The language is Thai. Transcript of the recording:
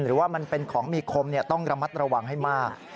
หรือว่ามันเป็นของมีคมต้องระมัดระวังให้มาก